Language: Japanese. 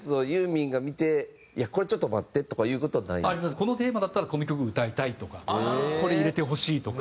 「このテーマだったらこの曲を歌いたい」とか「これ入れてほしい」とか。